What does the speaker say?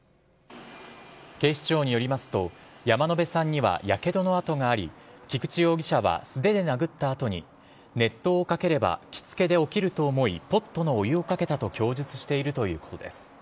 警視庁によりますと、山野辺さんにはやけどの痕があり、菊池容疑者は、素手で殴ったあとに熱湯をかければ気つけで起きると思い、ポットのお湯をかけたと供述しているということです。